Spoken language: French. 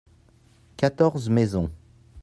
quatorze maisons.